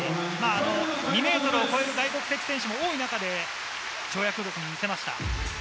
２ｍを超える外国籍選手も多い中で跳躍力を見せました。